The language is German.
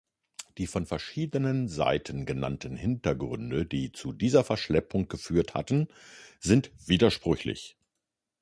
Die von verschiedenen Seiten genannten Hintergründe, die zu dieser Verschleppung geführt hatten, sind widersprüchlich.